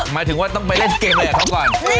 หมายถึงว่าต้องไปเล่นเกมอะไรกับเขาก่อน